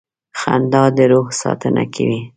• خندا د روح ساتنه کوي.